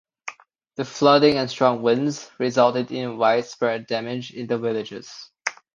The flooding and strong winds resulted in widespread damage in the villages.